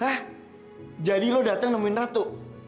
hah jadi lo dateng nemuin ratu